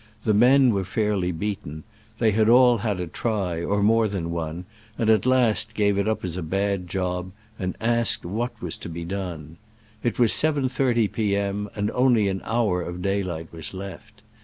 The men were fairly beaten : they had all had a try, or more than one, and at last gave it up as a bad job, and asked what was to be done. It was 7.30 P. m., and only an hour of daylight was left.